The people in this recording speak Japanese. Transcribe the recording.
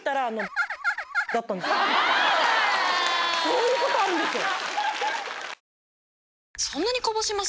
そういうことあるんですよ。